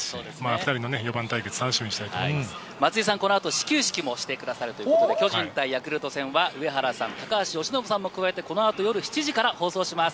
２人の４番対決、楽しみ松井さん、このあと始球式もしてくださるということで、巨人対ヤクルト戦は、上原さん、高橋由伸さんも加えてこのあと夜７時から放送します。